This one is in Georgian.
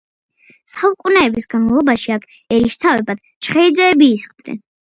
საუკუნეების განმავლობაში აქ ერისთავებად ჩხეიძეები ისხდნენ.